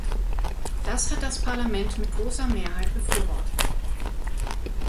Das hat das Parlament mit großer Mehrheit befürwortet.